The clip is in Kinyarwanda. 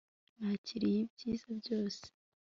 Nakiriye ibiza byose